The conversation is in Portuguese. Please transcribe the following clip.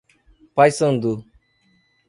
Paiçandu